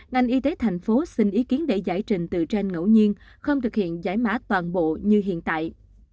ngành y tế thành phố xin ý kiến để giải trình từ trên ngẫu nhiên không thực hiện giải mã toàn bộ như hiện tại